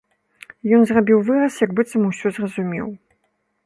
Ён зрабіў выраз, як быццам усё зразумеў.